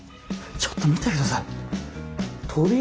ちょっと見て下さい。